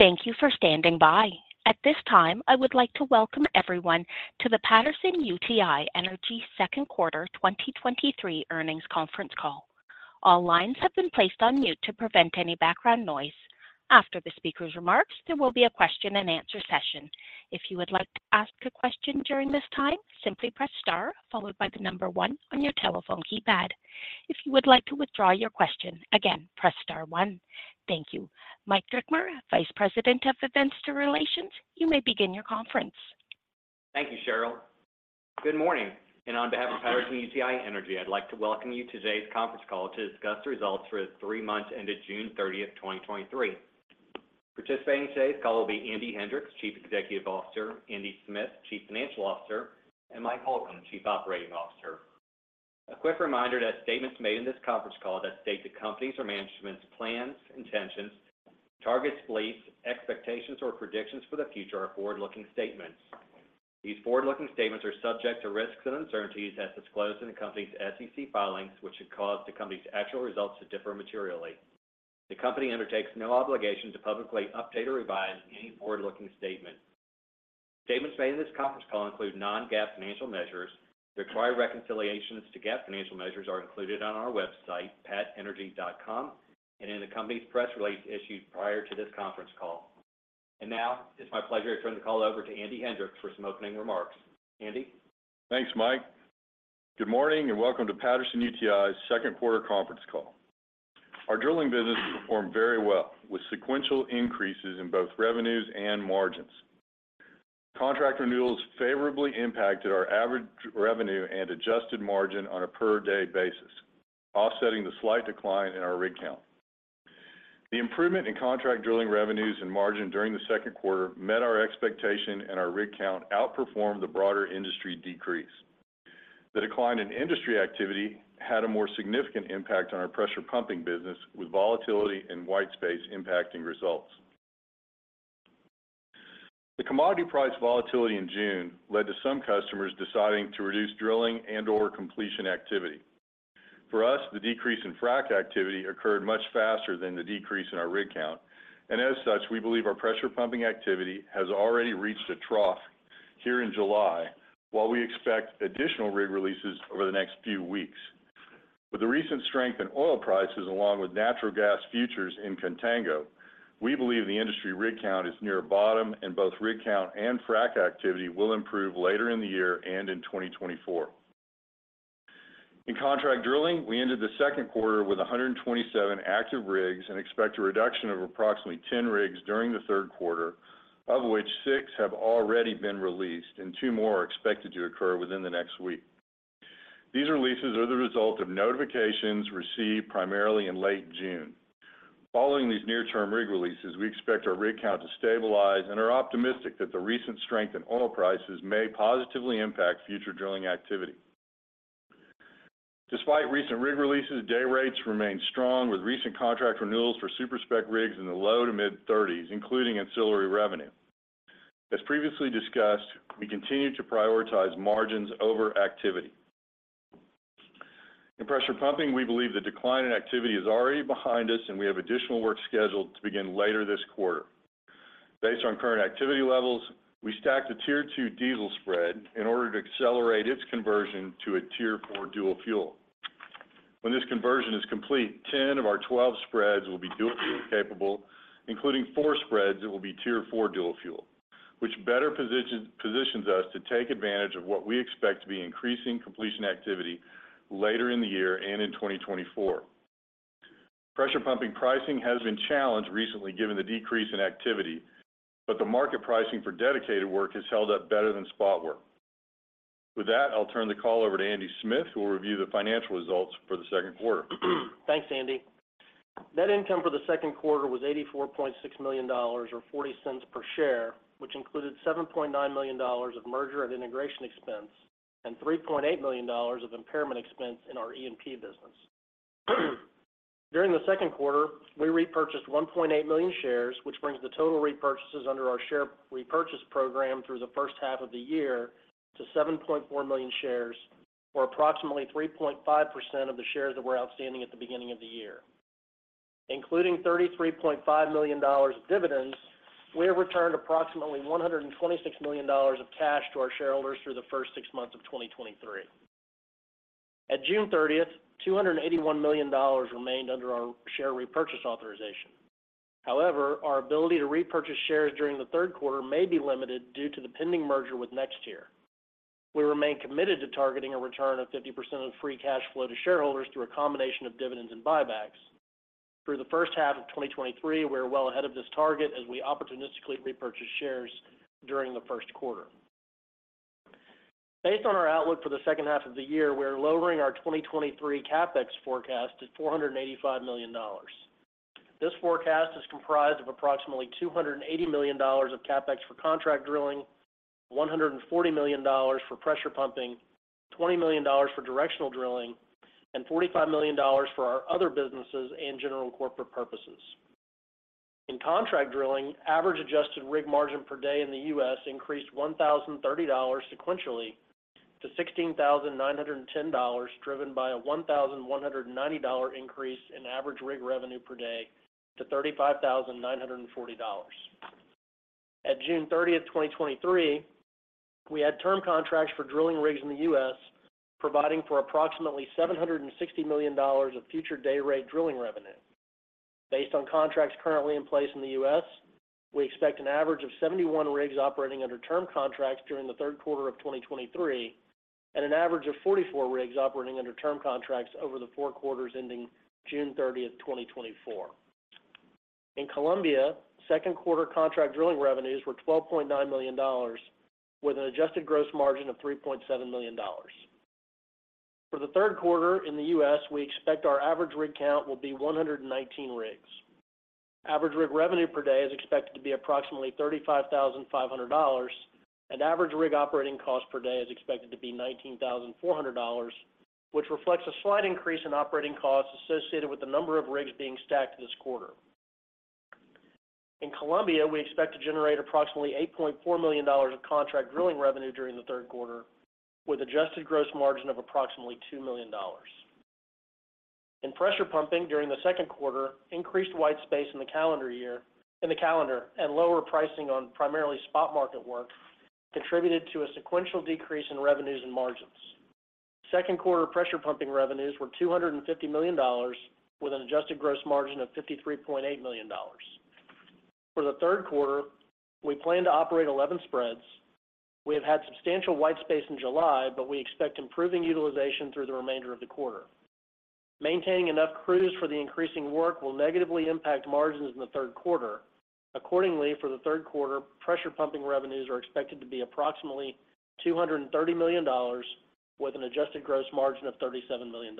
Thank you for standing by. At this time, I would like to welcome everyone to the Patterson-UTI Energy second quarter 2023 earnings conference call. All lines have been placed on mute to prevent any background noise. After the speaker's remarks, there will be a question-and-answer session. If you would like to ask a question during this time, simply press star, followed by the number one on your telephone keypad. If you would like to withdraw your question, again, press star one. Thank you. Mike Drickamer, Vice President of Investor Relations, you may begin your conference. Thank you, Cheryl. Good morning. On behalf of Patterson-UTI Energy, I'd like to welcome you to today's conference call to discuss the results for the three months ended June 13th 2023. Participating today's call will be Andy Hendricks, Chief Executive Officer, Andy Smith, Chief Financial Officer, and Mike Holcomb, Chief Operating Officer. A quick reminder that statements made in this conference call that state the company's or management's plans, intentions, targets, beliefs, expectations, or predictions for the future are forward-looking statements. These forward-looking statements are subject to risks and uncertainties as disclosed in the company's SEC filings, which could cause the company's actual results to differ materially. The company undertakes no obligation to publicly update or revise any forward-looking statement. Statements made in this conference call include non-GAAP financial measures. Required reconciliations to GAAP financial measures are included on our website, patenergy.com, and in the company's press release issued prior to this conference call. Now, it's my pleasure to turn the call over to Andy Hendricks for some opening remarks. Andy? Thanks, Mike. Good morning, and welcome to Patterson-UTI's second quarter conference call. Our drilling business performed very well, with sequential increases in both revenues and margins. Contract renewals favorably impacted our average revenue and adjusted margin on a per-day basis, offsetting the slight decline in our rig count. The improvement in contract drilling revenues and margin during the second quarter met our expectation, and our rig count outperformed the broader industry decrease. The decline in industry activity had a more significant impact on our pressure pumping business, with volatility and white space impacting results. The commodity price volatility in June led to some customers deciding to reduce drilling and/or completion activity. For us, the decrease in frack activity occurred much faster than the decrease in our rig count, and as such, we believe our pressure pumping activity has already reached a trough here in July, while we expect additional rig releases over the next few weeks. Both rig count and frack activity will improve later in the year and in 2024. In contract drilling, we ended the second quarter with 127 active rigs and expect a reduction of approximately 10 rigs during the third quarter, of which 6 have already been released and 2 more are expected to occur within the next week. These releases are the result of notifications received primarily in late June. Following these near-term rig releases, we expect our rig count to stabilize and are optimistic that the recent strength in oil prices may positively impact future drilling activity. Despite recent rig releases, day rates remain strong, with recent contract renewals for super-spec rigs in the low to mid-$30s, including ancillary revenue. As previously discussed, we continue to prioritize margins over activity. In pressure pumping, we believe the decline in activity is already behind us, and we have additional work scheduled to begin later this quarter. Based on current activity levels, we stacked a Tier 2 diesel spread in order to accelerate its conversion to a Tier 4 dual fuel. When this conversion is complete, 10 of our 12 spreads will be dual fuel-capable, including 4 spreads that will be Tier 4 dual fuel, which positions us to take advantage of what we expect to be increasing completion activity later in the year and in 2024. Pressure pumping pricing has been challenged recently, given the decrease in activity. The market pricing for dedicated work has held up better than spot work. With that, I'll turn the call over to Andy Smith, who will review the financial results for the second quarter. Thanks, Andy. Net income for the second quarter was $84.6 million, or $0.40 per share, which included $7.9 million of merger and integration expense and $3.8 million of impairment expense in our E&P business. During the second quarter, we repurchased 1.8 million shares, which brings the total repurchases under our share repurchase program through the first half of the year to 7.4 million shares, or approximately 3.5% of the shares that were outstanding at the beginning of the year. Including $33.5 million dividends, we have returned approximately $126 million of cash to our shareholders through the first 6 months of 2023. At June 30th, $281 million remained under our share repurchase authorization. However, our ability to repurchase shares during the third quarter may be limited due to the pending merger with NexTier. We remain committed to targeting a return of 50% of free cash flow to shareholders through a combination of dividends and buybacks. Through the first half of 2023, we are well ahead of this target as we opportunistically repurchased shares during the first quarter. Based on our outlook for the second half of the year, we are lowering our 2023 CapEx forecast to $485 million. This forecast is comprised of approximately $280 million of CapEx for contract drilling, $140 million for pressure pumping, $20 million for directional drilling, and $45 million for our other businesses and general corporate purposes. In contract drilling, average adjusted rig margin per day in the U.S. increased $1,030 sequentially to $16,910, driven by a $1,190 increase in average rig revenue per day to $35,940. At June 30, 2023, we had term contracts for drilling rigs in the U.S. providing for approximately $760 million of future dayrate drilling revenue. Based on contracts currently in place in the U.S. we expect an average of 71 rigs operating under term contracts during the third quarter of 2023, and an average of 44 rigs operating under term contracts over the four quarters ending June 30, 2024. In Colombia, second quarter contract drilling revenues were $12.9 million, with an adjusted gross margin of $3.7 million. For the third quarter in the U.S. we expect our average rig count will be 119 rigs. Average rig revenue per day is expected to be approximately $35,500, and average rig operating cost per day is expected to be $19,400, which reflects a slight increase in operating costs associated with the number of rigs being stacked this quarter. In Colombia, we expect to generate approximately $8.4 million of contract drilling revenue during the third quarter, with adjusted gross margin of approximately $2 million. In pressure pumping during the second quarter, increased white space in the calendar and lower pricing on primarily spot market work, contributed to a sequential decrease in revenues and margins. Second quarter pressure pumping revenues were $250 million, with an adjusted gross margin of $53.8 million. For the third quarter, we plan to operate 11 spreads. We have had substantial white space in July, but we expect improving utilization through the remainder of the quarter. Maintaining enough crews for the increasing work will negatively impact margins in the third quarter. Accordingly, for the third quarter, pressure pumping revenues are expected to be approximately $230 million, with an adjusted gross margin of $37 million.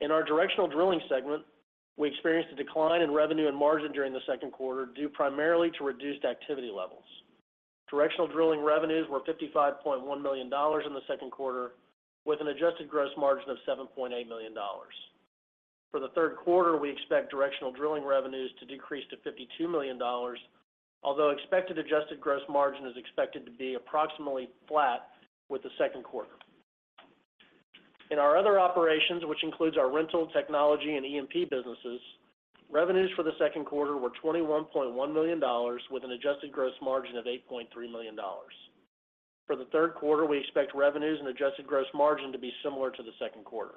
In our directional drilling segment, we experienced a decline in revenue and margin during the second quarter, due primarily to reduced activity levels. Directional drilling revenues were $55.1 million in the second quarter, with an adjusted gross margin of $7.8 million. For the third quarter, we expect directional drilling revenues to decrease to $52 million, although expected adjusted gross margin is expected to be approximately flat with the second quarter. In our other operations, which includes our rental, technology, and E&P businesses, revenues for the second quarter were $21.1 million, with an adjusted gross margin of $8.3 million. For the third quarter, we expect revenues and adjusted gross margin to be similar to the second quarter.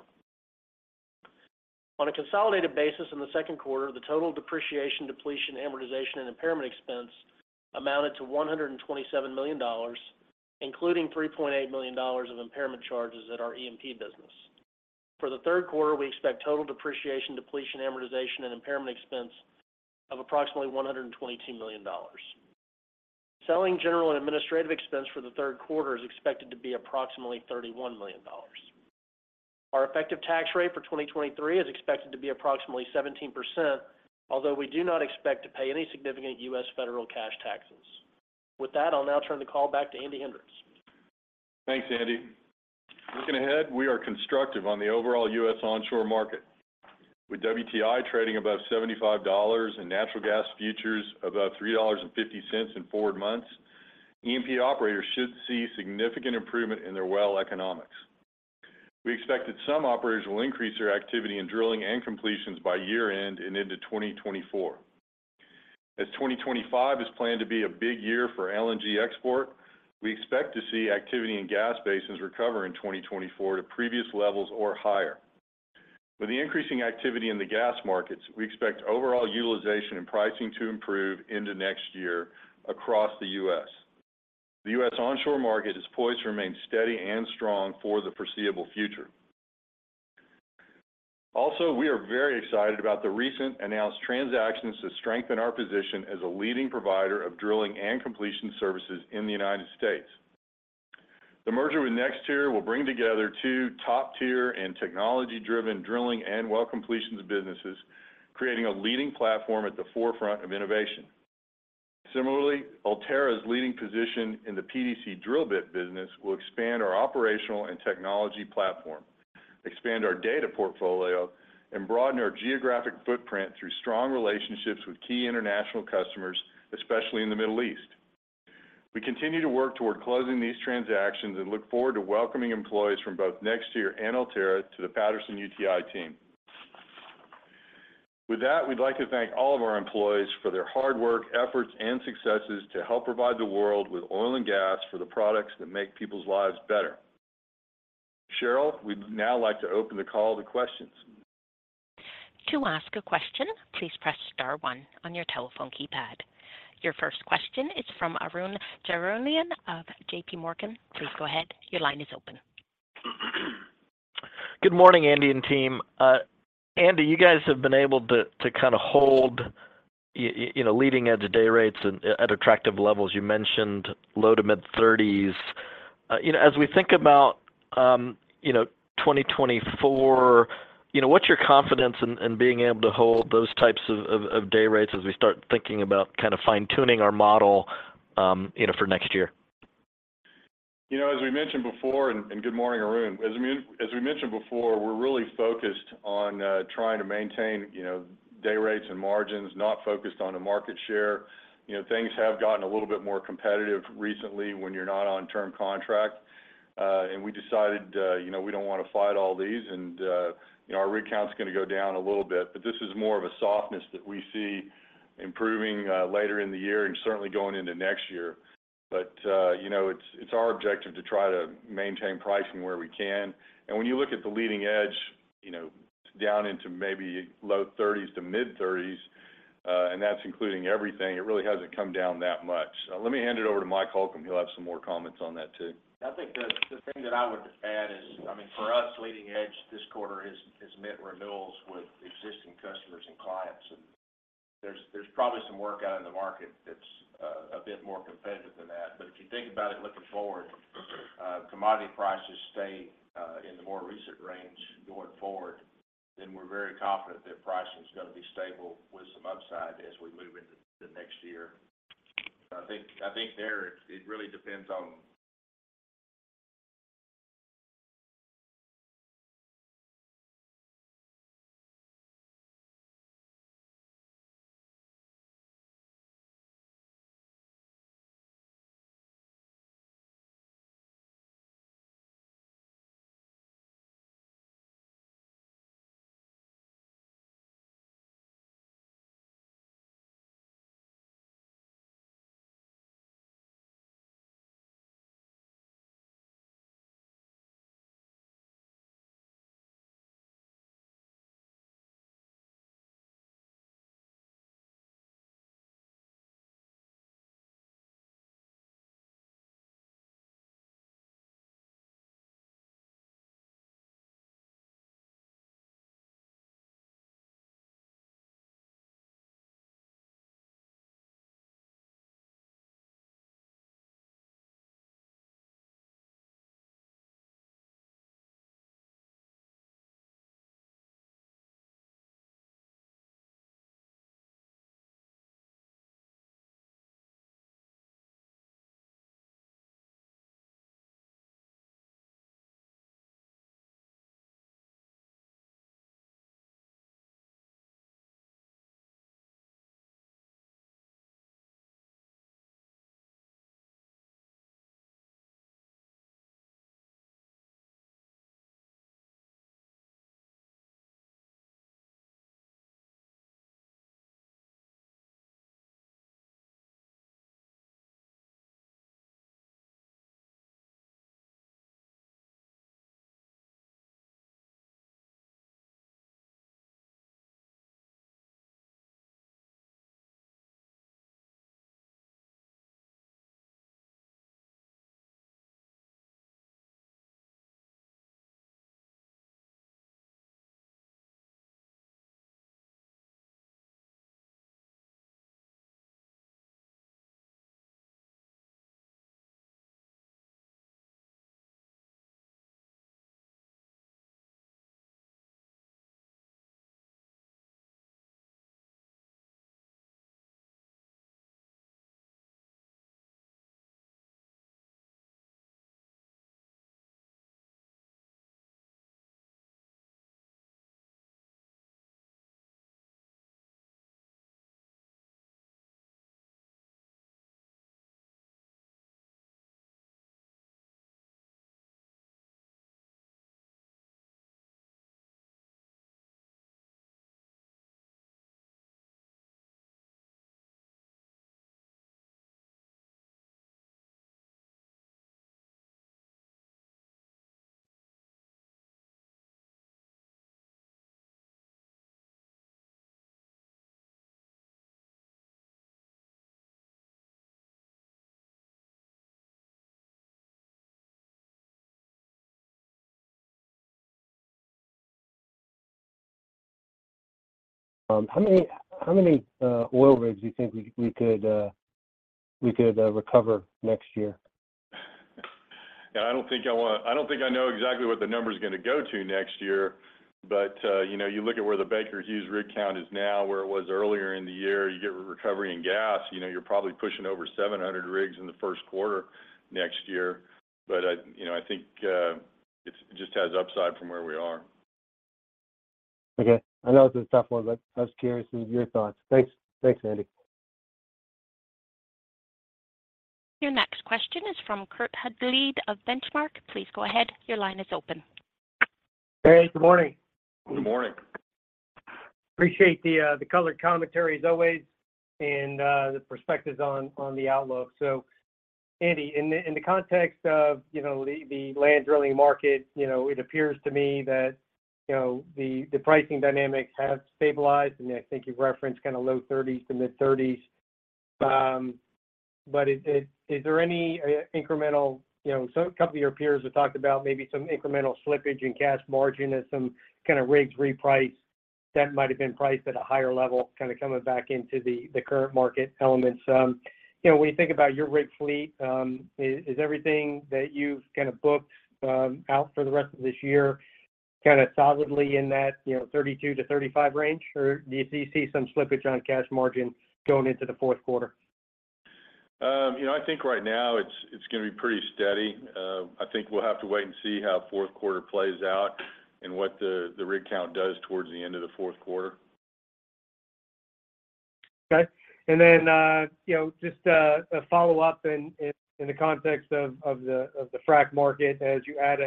On a consolidated basis in the second quarter, the total depreciation, depletion, amortization, and impairment expense amounted to $127 million, including $3.8 million of impairment charges at our E&P business. For the third quarter, we expect total depreciation, depletion, amortization, and impairment expense of approximately $122 million. Selling, general, and administrative expense for the third quarter is expected to be approximately $31 million. Our effective tax rate for 2023 is expected to be approximately 17%, although we do not expect to pay any significant U.S. federal cash taxes. With that, I'll now turn the call back to Andy Hendricks. Thanks, Andy. Looking ahead, we are constructive on the overall U.S. onshore market. With WTI trading above $75 and natural gas futures above $3.50 in forward months, E&P operators should see significant improvement in their well economics. We expect that some operators will increase their activity in drilling and completions by year-end and into 2024. As 2025 is planned to be a big year for LNG export, we expect to see activity in gas basins recover in 2024 to previous levels or higher. With the increasing activity in the gas markets, we expect overall utilization and pricing to improve into next year across the U.S. The U.S. onshore market is poised to remain steady and strong for the foreseeable future. We are very excited about the recent announced transactions that strengthen our position as a leading provider of drilling and completion services in the United States. The merger with NexTier will bring together two top-tier and technology-driven drilling and well completions businesses, creating a leading platform at the forefront of innovation. Ulterra's leading position in the PDC drill bit business will expand our operational and technology platform, expand our data portfolio, and broaden our geographic footprint through strong relationships with key international customers, especially in the Middle East. We continue to work toward closing these transactions and look forward to welcoming employees from both NexTier and Ulterra to the Patterson-UTI team. We'd like to thank all of our employees for their hard work, efforts, and successes to help provide the world with oil and gas for the products that make people's lives better. Cheryl, we'd now like to open the call to questions. To ask a question, please press star 1 on your telephone keypad. Your first question is from Arun Jayaram of JPMorgan. Please go ahead. Your line is open. Good morning, Andy and team. Andy, you guys have been able to kinda hold, you know, leading edge day rates at attractive levels. You mentioned low to mid-thirties. You know, as we think about, you know, 2024, you know, what's your confidence in being able to hold those types of day rates as we start thinking about kind of fine-tuning our model, you know, for next year? Good morning, Arun. As we mentioned before, we're really focused on trying to maintain, you know, day rates and margins, not focused on the market share. You know, things have gotten a little bit more competitive recently when you're not on term contract. We decided, you know, we don't want to fight all these, and, you know, our rig count is going to go down a little bit. This is more of a softness that we see improving later in the year and certainly going into next year. You know, it's our objective to try to maintain pricing where we can. When you look at the leading edge, you know, down into maybe low 30s to mid-30s, and that's including everything, it really hasn't come down that much. Let me hand it over to Mike Holcomb. He'll have some more comments on that too. I think the thing that I would add is, I mean, for us, leading edge this quarter is meant renewals with existing customers and clients. There's probably some work out in the market that's a bit more competitive than that. If you think about it looking forward, commodity prices stay in the more recent range going forward, then we're very confident that pricing is going to be stable with some upside as we move into the next year. I think there it really depends on. How many oil rigs do you think we could recover next year? Yeah, I don't think I know exactly what the number is going to go to next year, you know, you look at where the Baker Hughes rig count is now, where it was earlier in the year, you get recovery in gas, you know, you're probably pushing over 700 rigs in the first quarter next year. I, you know, I think it's just has upside from where we are. Okay. I know it's a tough one, but I was curious of your thoughts. Thanks. Thanks, Andy. Your next question is from Kurt Hallead of Benchmark. Please go ahead. Your line is open. Hey, good morning. Good morning. Appreciate the color commentary as always, and the perspectives on the outlook. Andy, in the context of, you know, the land drilling market, you know, it appears to me that, you know, the pricing dynamics have stabilized, and I think you've referenced kind of low 30s to mid-30s. Is there any incremental... You know, a couple of your peers have talked about maybe some incremental slippage in cash margin as some kind of rigs reprice that might have been priced at a higher level, kind of coming back into the current market elements. You know, when you think about your rig fleet, is everything that you've kind of booked out for the rest of this year, kind of solidly in that, you know, 32-35 range? Do you see some slippage on cash margin going into the fourth quarter? you know, I think right now it's going to be pretty steady. I think we'll have to wait and see how fourth quarter plays out and what the rig count does towards the end of the fourth quarter. Okay. Then, you know, just a follow-up in the context of the frack market as you add,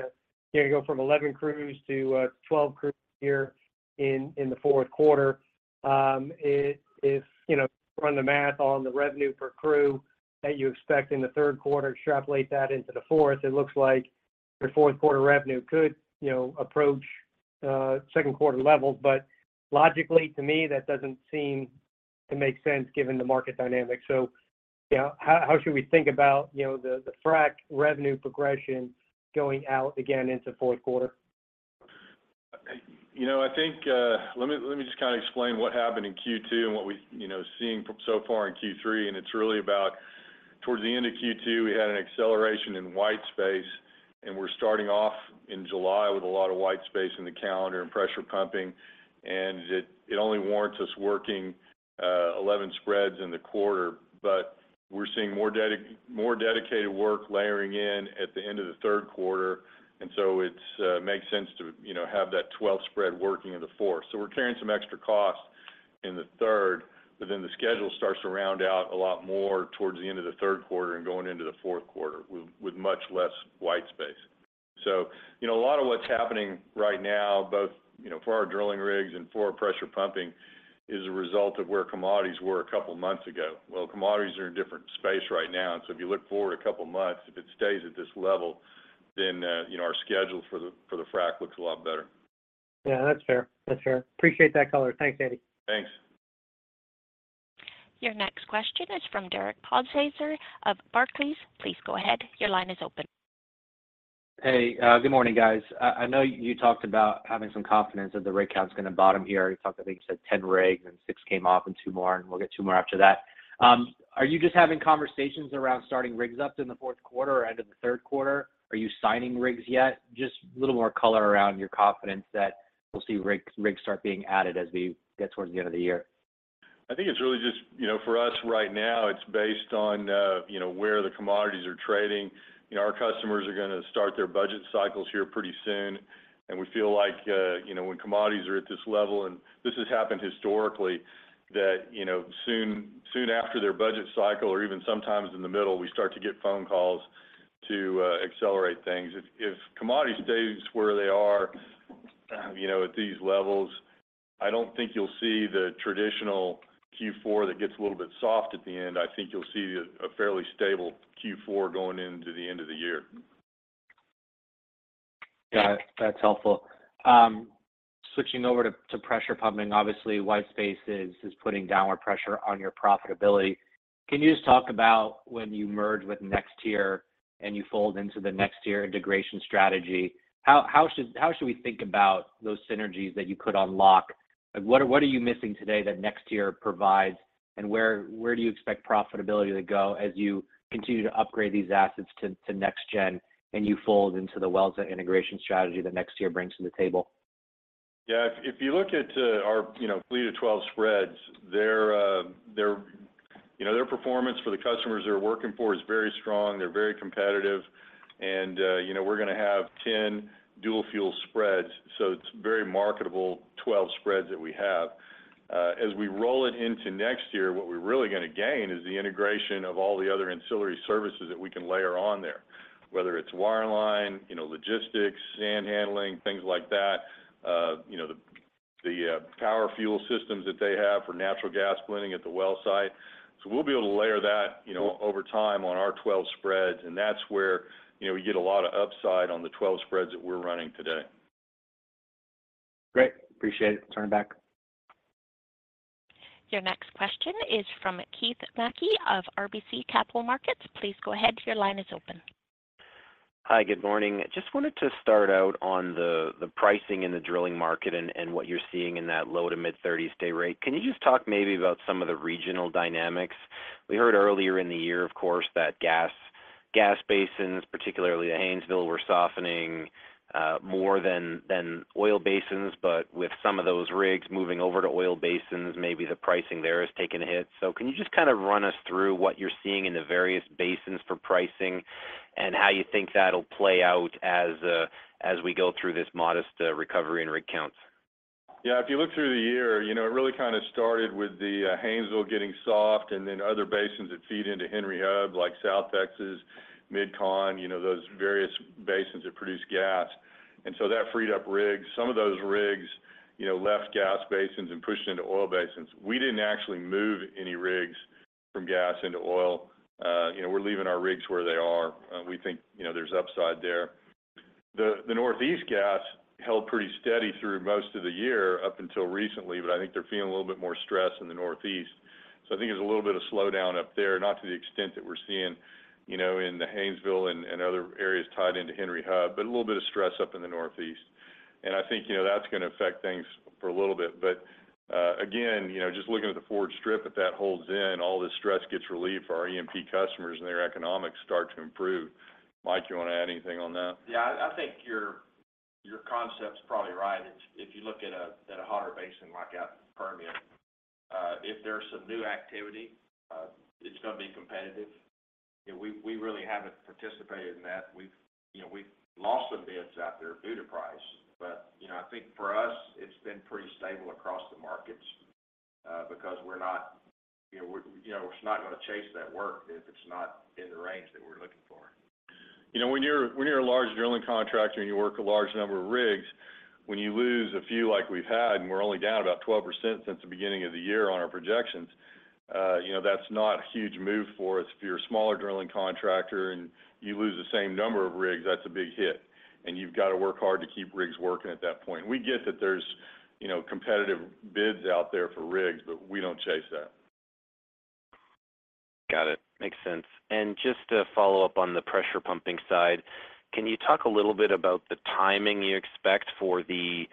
you know, go from 11 crews to 12 crews here in the fourth quarter. If, you know, run the math on the revenue per crew that you expect in the third quarter, extrapolate that into the fourth, it looks like your fourth quarter revenue could, you know, approach second quarter levels. Logically, to me, that doesn't seem to make sense given the market dynamics. How should we think about, you know, the frack revenue progression going out again into fourth quarter? You know, I think, let me just kind of explain what happened in Q2 and what we, you know, seeing from so far in Q3. It's really about towards the end of Q2, we had an acceleration in white space, and we're starting off in July with a lot of white space in the calendar and pressure pumping, and it only warrants us working 11 spreads in the quarter. We're seeing more dedicated work layering in at the end of the third quarter, and so it makes sense to, you know, have that 12 spread working in the fourth. We're carrying some extra costs in the third, but then the schedule starts to round out a lot more towards the end of the third quarter and going into the fourth quarter with much less white space. You know, a lot of what's happening right now, both, you know, for our drilling rigs and for our pressure pumping, is a result of where commodities were a couple of months ago. Commodities are in a different space right now, and so if you look forward a couple of months, if it stays at this level, then, you know, our schedule for the, for the frack looks a lot better. Yeah, that's fair. That's fair. Appreciate that color. Thanks, Andy. Thanks. Your next question is from Derek Podhaizer of Barclays. Please go ahead. Your line is open. Hey, good morning, guys. I know you talked about having some confidence that the rig count is going to bottom here. You talked, I think you said 10 rigs and six came off and two more, and we'll get two more after that. Are you just having conversations around starting rigs up in the fourth quarter or end of the third quarter? Are you signing rigs yet? Just a little more color around your confidence that we'll see rigs start being added as we get towards the end of the year. I think it's really just, you know, for us right now, it's based on, you know, where the commodities are trading. You know, our customers are gonna start their budget cycles here pretty soon. We feel like, you know, when commodities are at this level, and this has happened historically, that, you know, soon after their budget cycle or even sometimes in the middle, we start to get phone calls to accelerate things. If commodity stays where they are, you know, at these levels, I don't think you'll see the traditional Q4 that gets a little bit soft at the end. I think you'll see a fairly stable Q4 going into the end of the year. Got it. That's helpful. Switching over to, to pressure pumping, obviously, white space is, is putting downward pressure on your profitability. Can you just talk about when you merge with NexTier and you fold into the NexTier integration strategy, how should we think about those synergies that you could unlock? Like, what are you missing today that NexTier provides, and where do you expect profitability to go as you continue to upgrade these assets to, to next gen, and you fold into the wellsite integration strategy that NexTier brings to the table? Yeah. If you look at, our, you know, fleet of 12 spreads, their, you know, their performance for the customers they're working for is very strong. They're very competitive and, you know, we're gonna have 10 dual fuel spreads, so it's very marketable 12 spreads that we have. As we roll it into next year, what we're really gonna gain is the integration of all the other ancillary services that we can layer on there, whether it's wireline, you know, logistics, sand handling, things like that, you know, the, the, power fuel systems that they have for natural gas blending at the well site. We'll be able to layer that, you know, over time on our 12 spreads, and that's where, you know, we get a lot of upside on the 12 spreads that we're running today. Great. Appreciate it. Turning back. Your next question is from Keith MacKey of RBC Capital Markets. Please go ahead. Your line is open. Hi, good morning. Just wanted to start out on the pricing in the drilling market and what you're seeing in that low to mid-30s day rate. Can you just talk maybe about some of the regional dynamics? We heard earlier in the year, of course, that gas basins, particularly the Haynesville, were softening, more than oil basins, but with some of those rigs moving over to oil basins, maybe the pricing there has taken a hit. Can you just kind of run us through what you're seeing in the various basins for pricing and how you think that'll play out as we go through this modest recovery in rig counts? Yeah, if you look through the year, you know, it really kind of started with the Haynesville getting soft and then other basins that feed into Henry Hub, like South Texas, MidCon, you know, those various basins that produce gas. That freed up rigs. Some of those rigs, you know, left gas basins and pushed into oil basins. We didn't actually move any rigs from gas into oil. You know, we're leaving our rigs where they are. We think, you know, there's upside there. The Northeast gas held pretty steady through most of the year, up until recently, I think they're feeling a little bit more stress in the Northeast. I think there's a little bit of slowdown up there, not to the extent that we're seeing, you know, in the Haynesville and other areas tied into Henry Hub, but a little bit of stress up in the Northeast. I think, you know, that's gonna affect things for a little bit. Again, you know, just looking at the forward strip, if that holds in, all this stress gets relieved for our E&P customers and their economics start to improve. Mike, you want to add anything on that? Yeah, I think your concept's probably right. If you look at a hotter basin like out in Permian, if there's some new activity, it's gonna be competitive. Yeah, we really haven't participated in that. We've, you know, we've lost some bids out there due to price, but, you know, I think for us, it's been pretty stable across the markets, because we're not, you know, we're not gonna chase that work if it's not in the range that we're looking for. You know, when you're a large drilling contractor, and you work a large number of rigs, when you lose a few like we've had, and we're only down about 12% since the beginning of the year on our projections, you know, that's not a huge move for us. If you're a smaller drilling contractor, and you lose the same number of rigs, that's a big hit, and you've got to work hard to keep rigs working at that point. We get that there's, you know, competitive bids out there for rigs, but we don't chase that. Got it. Makes sense. Just to follow up on the pressure pumping side, can you talk a little bit about the timing you expect for the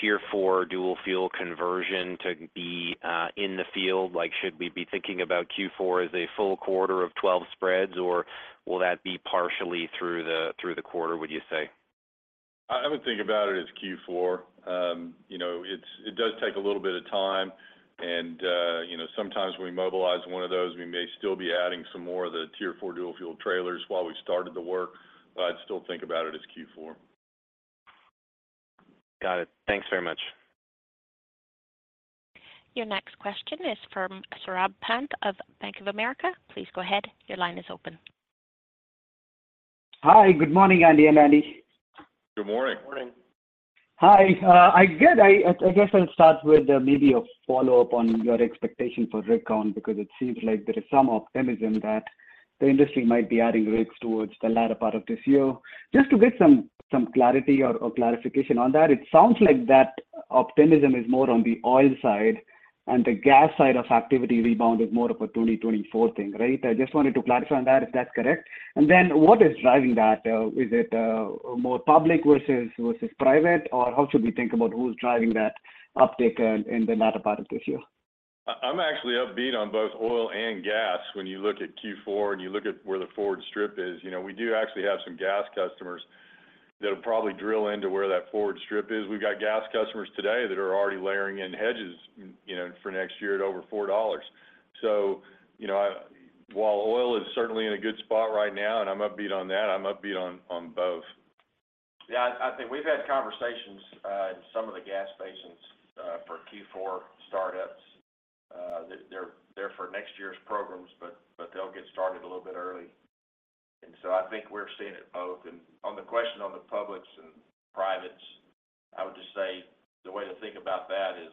Tier 4 dual fuel conversion to be in the field? Like, should we be thinking about Q4 as a full quarter of 12 spreads, or will that be partially through the quarter, would you say? I would think about it as Q4. You know, it does take a little bit of time and, you know, sometimes when we mobilize one of those, we may still be adding some more of the Tier 4 dual fuel trailers while we've started the work, but I'd still think about it as Q4. Got it. Thanks very much. Your next question is from Saurabh Pant of Bank of America. Please go ahead. Your line is open. Hi, good morning, Andy and Andy. Good morning. Good morning. Hi, I guess I'll start with maybe a follow-up on your expectation for rig count, because it seems like there is some optimism that the industry might be adding rigs towards the latter part of this year. Just to get some clarity or clarification on that, it sounds like that optimism is more on the oil side, and the gas side of activity rebounded more of a 2024 thing, right? I just wanted to clarify on that, if that's correct. What is driving that? Is it more public versus private, or how should we think about who's driving that uptick in the latter part of this year? I'm actually upbeat on both oil and gas. When you look at Q4, you look at where the forward strip is, you know, we do actually have some gas customers that'll probably drill into where that forward strip is. We've got gas customers today that are already layering in hedges, you know, for next year at over $4. You know, while oil is certainly in a good spot right now, and I'm upbeat on that, I'm upbeat on both. Yeah, I think we've had conversations in some of the gas basins for Q4 startups. They're there for next year's programs, but they'll get started a little bit early. I think we're seeing it both. On the question on the publics and privates, I would just say the way to think about that is,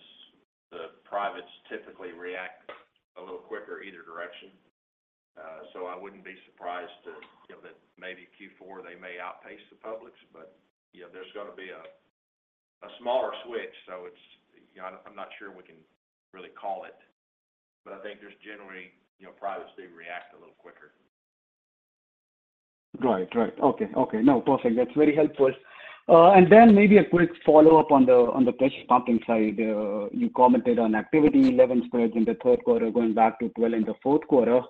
the privates typically react a little quicker either direction. I wouldn't be surprised to, you know, that maybe Q4, they may outpace the publics, but, you know, there's gonna be a smaller switch, so it's. You know, I'm not sure we can really call it, but I think there's generally, you know, privates do react a little quicker. Right. Right. Okay. Okay, no, perfect. That's very helpful. Maybe a quick follow-up on the, on the pressure pumping side. You commented on activity, 11 spreads in the third quarter, going back to 12 in the fourth quarter.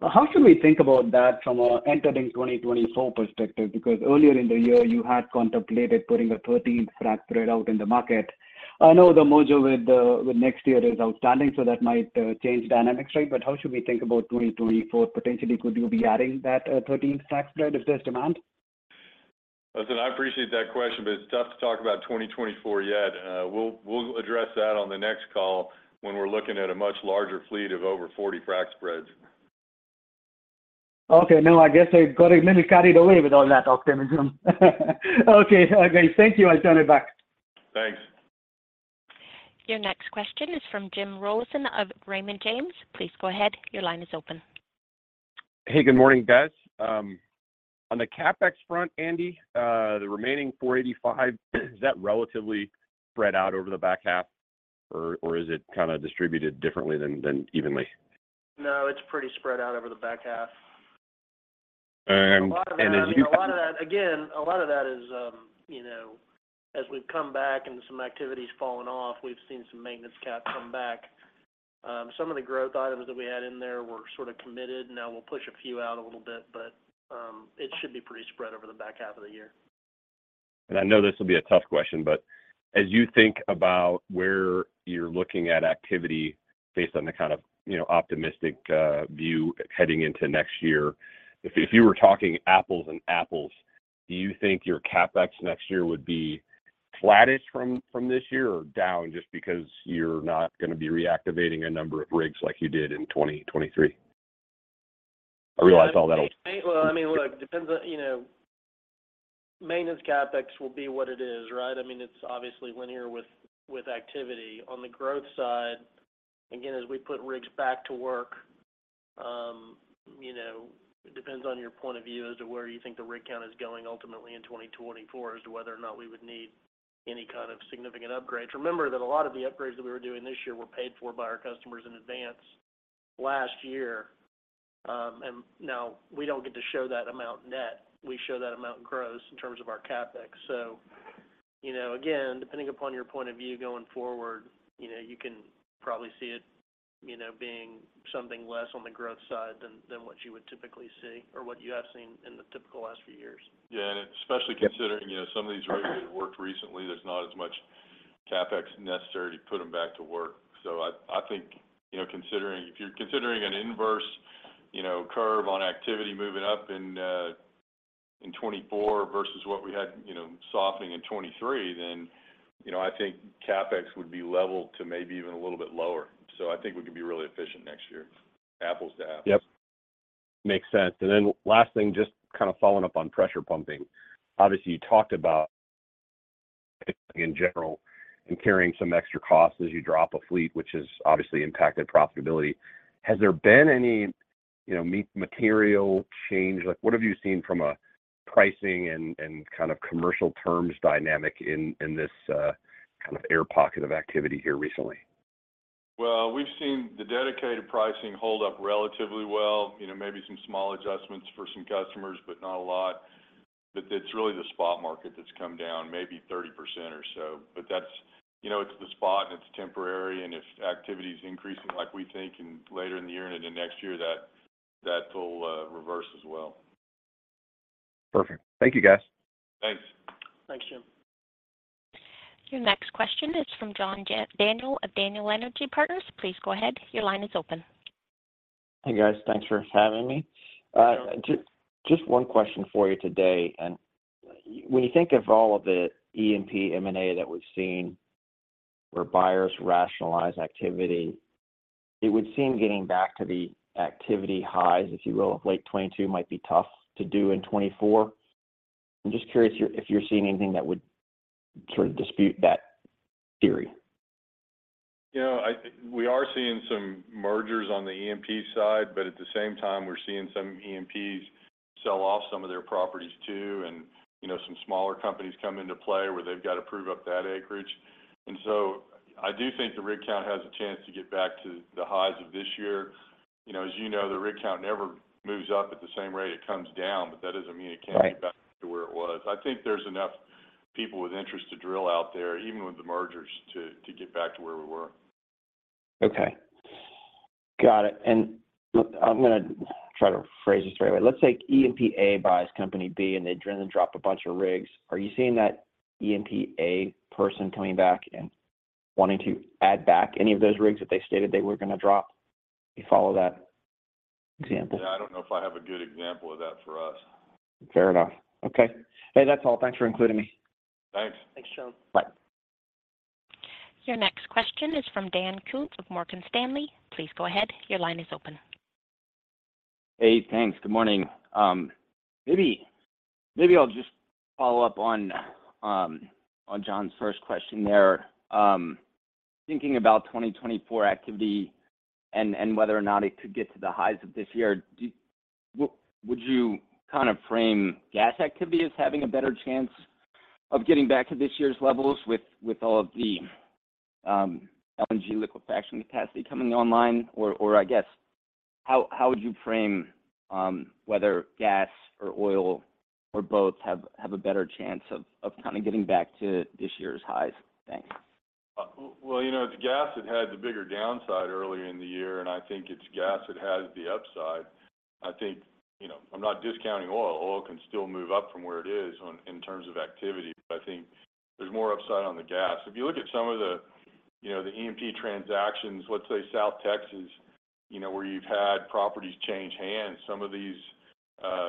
How should we think about that from a entering 2024 perspective? Because earlier in the year, you had contemplated putting a 13th frac spread out in the market. I know the mojo with NexTier is outstanding, so that might change dynamics, right? How should we think about 2024? Potentially, could you be adding that 13th frac spread if there's demand? Listen, I appreciate that question. It's tough to talk about 2024 yet. We'll address that on the next call when we're looking at a much larger fleet of over 40 frac spreads. Okay. Now, I guess I got a little carried away with all that optimism. Okay. Okay, thank you. I turn it back. Thanks. Your next question is from James Rollyson of Raymond James. Please go ahead. Your line is open. Hey, good morning, guys. on the CapEx front, Andy, the remaining $485, is that relatively spread out over the back half, or is it kind of distributed differently than evenly? No, it's pretty spread out over the back half. And, and as you- A lot of that, again, a lot of that is, you know, as we've come back and some activity's fallen off, we've seen some maintenance CapEx come back. Some of the growth items that we had in there were sort of committed. We'll push a few out a little bit, it should be pretty spread over the back half of the year. I know this will be a tough question, as you think about where you're looking at activity based on the kind of, you know, optimistic view heading into next year, if you were talking apples and apples, do you think your CapEx next year would be flattish from this year or down just because you're not gonna be reactivating a number of rigs like you did in 2023? Well, I mean, look, depends on. You know, maintenance CapEx will be what it is, right? I mean, it's obviously linear with, with activity. On the growth side, again, as we put rigs back to work, you know, it depends on your point of view as to where you think the rig count is going ultimately in 2024, as to whether or not we would need any kind of significant upgrades. Remember that a lot of the upgrades that we were doing this year were paid for by our customers in advance last year. Now we don't get to show that amount net. We show that amount gross in terms of our CapEx. You know, again, depending upon your point of view going forward, you know, you can probably see it, you know, being something less on the growth side than what you would typically see or what you have seen in the typical last few years. Yeah, especially considering, you know, some of these rigs worked recently, there's not as much CapEx necessary to put them back to work. I think, you know, considering if you're considering an inverse, you know, curve on activity moving up in 2024 versus what we had, you know, softening in 2023, then, you know, I think CapEx would be level to maybe even a little bit lower. I think we can be really efficient next year, apples to apples. Yep. Makes sense. Last thing, just kind of following up on pressure pumping. Obviously, you talked about in general and carrying some extra costs as you drop a fleet, which has obviously impacted profitability. Has there been any, you know, material change? Like, what have you seen from a pricing and, and kind of commercial terms dynamic in, in this, kind of air pocket of activity here recently? We've seen the dedicated pricing hold up relatively well. You know, maybe some small adjustments for some customers, but not a lot. It's really the spot market that's come down maybe 30% or so. That's... You know, it's the spot, and it's temporary, and if activity is increasing, like we think, in later in the year and into next year, that will reverse as well. Perfect. Thank you, guys. Thanks. Thanks, Jim. Your next question is from John Daniel of Daniel Energy Partners. Please go ahead. Your line is open. Hey, guys. Thanks for having me. Just one question for you today. When you think of all of the E&P M&A that we've seen, where buyers rationalize activity, it would seem getting back to the activity highs, if you will, of late 2022, might be tough to do in 2024. I'm just curious if you're seeing anything that would sort of dispute that theory. You know, we are seeing some mergers on the E&P side, but at the same time, we're seeing some E&Ps sell off some of their properties, too, and, you know, some smaller companies come into play where they've got to prove up that acreage. I do think the rig count has a chance to get back to the highs of this year. You know, as you know, the rig count never moves up at the same rate it comes down, but that doesn't mean it can't. Right get back to where it was. I think there's enough people with interest to drill out there, even with the mergers, to get back to where we were. Okay. Got it. Look, I'm gonna try to phrase this the right way. Let's say E&P A buys Company B, and they drill and drop a bunch of rigs. Are you seeing that E&P A person coming back and wanting to add back any of those rigs that they stated they were gonna drop? You follow that example? Yeah. I don't know if I have a good example of that for us. Fair enough. Okay. Hey, that's all. Thanks for including me. Thanks. Thanks, John. Bye. Your next question is from Connor Lynagh of Morgan Stanley. Please go ahead. Your line is open. Hey, thanks. Good morning. maybe I'll just follow up on John's first question there. Thinking about 2024 activity and whether or not it could get to the highs of this year, would you kind of frame gas activity as having a better chance of getting back to this year's levels with all of the LNG liquefaction capacity coming online? Or I guess, how would you frame whether gas or oil or both have a better chance of kind of getting back to this year's highs? Thanks. You know, it's gas that had the bigger downside earlier in the year, and I think it's gas that has the upside. I think, you know, I'm not discounting oil. Oil can still move up from where it is on, in terms of activity, but I think there's more upside on the gas. If you look at some of the, you know, the E&P transactions, let's say South Texas, you know, where you've had properties change hands, some of these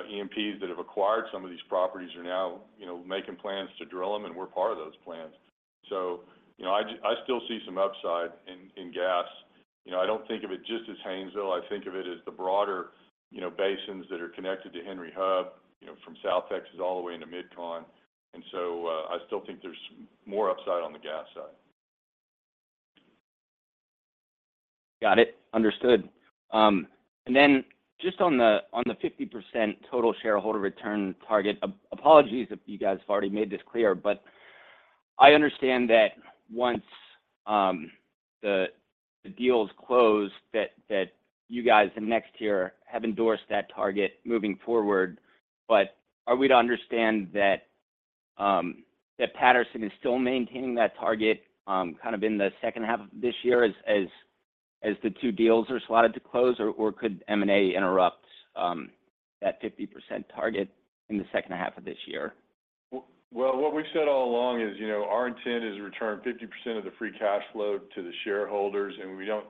E&Ps that have acquired some of these properties are now, you know, making plans to drill them, and we're part of those plans. You know, I still see some upside in gas. You know, I don't think of it just as Haynesville. I think of it as the broader, you know, basins that are connected to Henry Hub, you know, from South Texas all the way into MidCon. I still think there's more upside on the gas side. Got it. Understood. Just on the, on the 50% total shareholder return target. Apologies if you guys have already made this clear, but I understand that once the, the deal is closed, that you guys in NexTier have endorsed that target moving forward. Are we to understand that Patterson is still maintaining that target kind of in the second half of this year as the two deals are slotted to close, or could M&A interrupt that 50% target in the second half of this year? Well, what we've said all along is, you know, our intent is to return 50% of the free cash flow to the shareholders,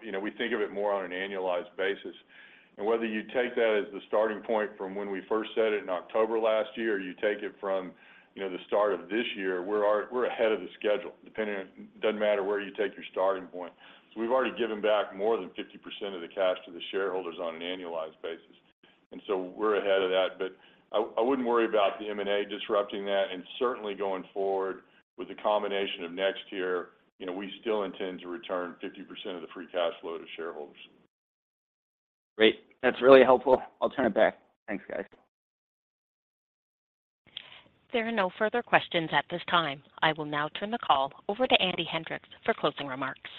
you know, we think of it more on an annualized basis. Whether you take that as the starting point from when we first said it in October last year, or you take it from, you know, the start of this year, we're ahead of the schedule, depending on... Doesn't matter where you take your starting point. We've already given back more than 50% of the cash to the shareholders on an annualized basis, we're ahead of that. I wouldn't worry about the M&A disrupting that, and certainly going forward with the combination of NexTier, you know, we still intend to return 50% of the free cash flow to shareholders. Great. That's really helpful. I'll turn it back. Thanks, guys. There are no further questions at this time. I will now turn the call over to Andy Hendricks for closing remarks.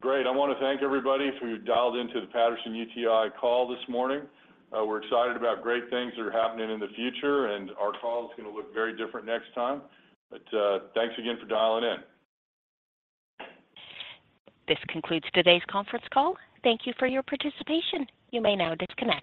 Great. I want to thank everybody who dialed into the Patterson-UTI Energy call this morning. We're excited about great things that are happening in the future, our call is gonna look very different next time. Thanks again for dialing in. This concludes today's conference call. Thank you for your participation. You may now disconnect.